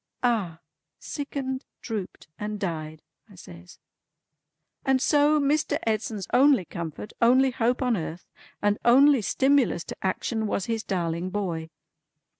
"Ah! Sickened, drooped, and died!" I says. "And so Mr. Edson's only comfort, only hope on earth, and only stimulus to action, was his darling boy.